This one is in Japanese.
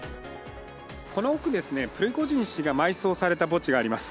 この奥、プリゴジン氏が埋葬された墓地があります。